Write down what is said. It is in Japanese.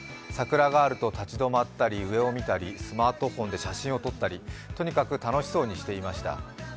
桜があると立ち止まったり、上を見たり、スマートフォンで写真を撮ったりとにかく楽しそうにしていました。